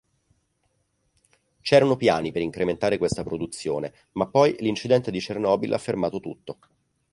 C'erano piani per incrementare questa produzione, ma poi l'incidente di Chernobyl ha fermato tutto.